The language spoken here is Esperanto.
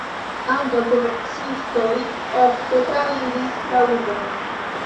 Ankaŭ komercistoj ofte trairis la urbon.